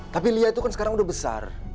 tapi lia itu kan sekarang udah besar